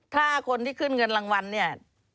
ถ้าคนที่ขึ้นเงินรางวัลเนี่ย